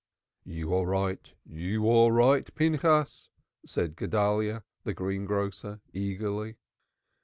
"You are right! You are right, Pinchas!" said Guedalyah, the greengrocer, eagerly.